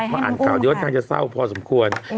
มาอ่านข่าวเดี๋ยวว่าทางจะเศร้าพอสมควร